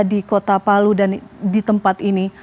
di kota palu dan di tempat ini